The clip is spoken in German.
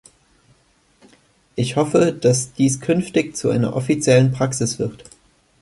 Ich hoffe, dass dies künftig zu einer offiziellen Praxis wird.